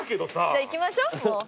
じゃあ行きましょもう。